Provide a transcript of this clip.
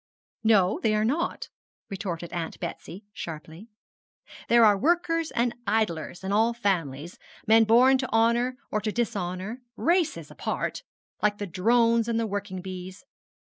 'No, they are not,' retorted Aunt Betsy, sharply. 'There are workers and idlers in all families men born to honour or to dishonour races apart like the drones and the working bees.